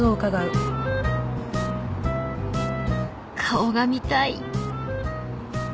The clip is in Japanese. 顔が見たい。